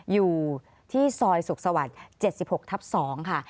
อยู่ที่ซอยสุขสวรรค์๗๖ทับ๒ค่ะ